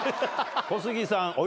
小杉さん